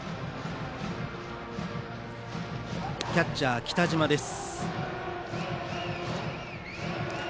キャッチャー、北島です。